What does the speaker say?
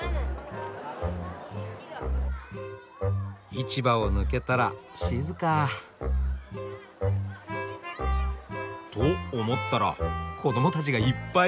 市場を抜けたら静か。と思ったら子どもたちがいっぱい。